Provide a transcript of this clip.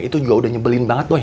itu juga udah nyebelin banget loh